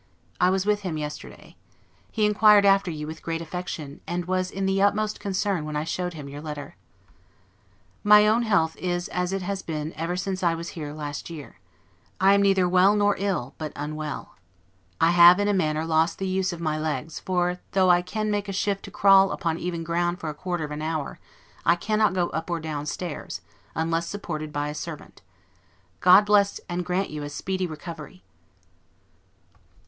I was with him yesterday. He inquired after you with great affection, and was in the utmost concern when I showed him your letter. My own health is as it has been ever since I was here last year. I am neither well nor ill, but UNWELL. I have in a manner lost the use of my legs; for though I can make a shift to crawl upon even ground for a quarter of an hour, I cannot go up or down stairs, unless supported by a servant. God bless you and grant you a speedy recovery!